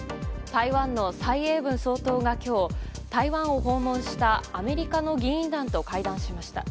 台湾の蔡英文総統が今日台湾を訪問したアメリカの議員団と会談しました。